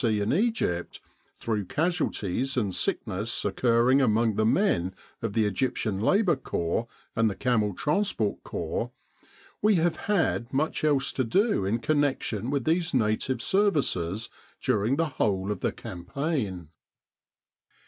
C. in Egypt through casualties and sickness occurring among the men of the Egyptian Labour Corps and the Camel Transport Corps, we have had much else to do in connection with these Native Ser vices during the whole of the campaign.